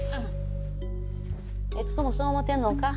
悦子もそう思てんのんか？